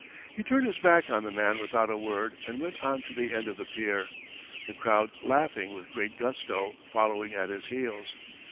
He turned his back on the man without a word, and went out to the end of the pier, the crowd, laughing with great gusto, following at his heels.